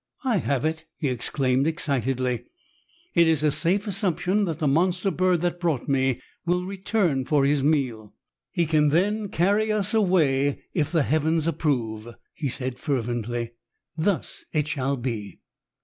"I have it," he exclaimed, excitedly. "It is a safe assumption that the monster bird that brought me will return for his meal. He can then carry us away. If the heavens approve," he said, fervently, "thus it shall be."